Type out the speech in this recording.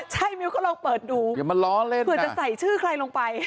ใช่มิวก็ลองเปิดดูเผื่อจะใส่ชื่อใครลงไป